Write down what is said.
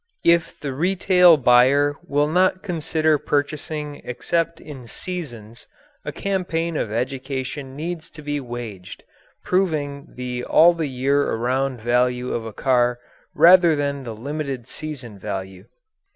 If the retail buyer will not consider purchasing except in "seasons," a campaign of education needs to be waged, proving the all the year around value of a car rather than the limited season value.